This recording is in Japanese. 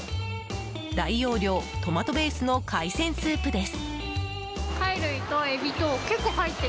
大容量、トマトベースの海鮮スープです。